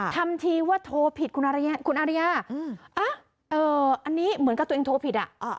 ทำทีว่าโทรผิดคุณอาริยาอันนี้เหมือนกับตัวเองโทรผิดอ่ะ